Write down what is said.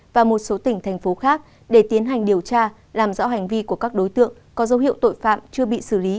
và một số tỉnh thành phố khác để tiến hành điều tra làm rõ hành vi của các đối tượng có dấu hiệu tội phạm chưa bị xử lý